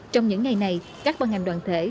trong những ngày này các băng hành đoàn thể